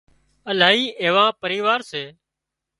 الاهي ايوا پريوار سي